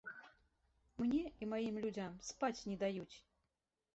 Мне і маім людзям спаць не даюць.